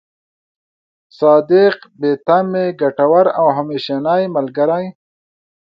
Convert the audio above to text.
صادق، بې تمې، ګټور او همېشنۍ ملګری.